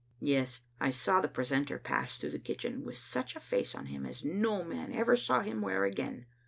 Yes, I saw the precentor pass through the kitchen, with such a face on him as no man ever saw him wear again.